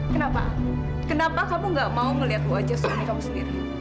kenapa kenapa kamu gak mau melihat wajah suami kamu sendiri